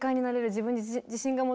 自分に自信が持てる。